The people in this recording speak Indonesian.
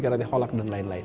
kharati khalaq dan lain lain